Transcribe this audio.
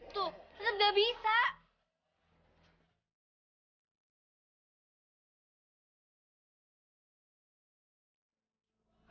tuh tetep nggak bisa